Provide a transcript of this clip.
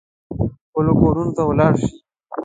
خپلو کورونو ته ولاړ شي.